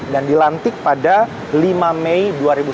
dan dilantik pada lima mei dua ribu sembilan belas